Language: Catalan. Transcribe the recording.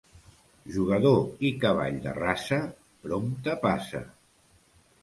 Jugador i cavall de raça, prompte passa.